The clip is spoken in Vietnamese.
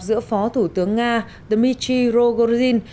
giữa phó thủ tướng nga dmitry rogozin